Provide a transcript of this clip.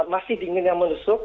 masih dingin yang menusuk